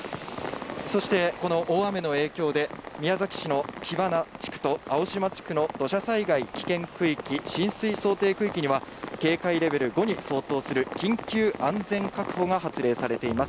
そしてこの大雨の影響で、宮崎市の木花地区と青島地区の土砂災害危険区域、浸水想定区域には、警戒レベル５に相当する緊急安全確保が発令されています。